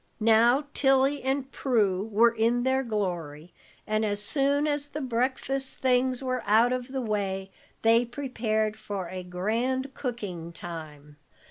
Now Tilly and Prue were in their glory, and as soon as the breakfast things were out of the way, they prepared for a grand cooking time.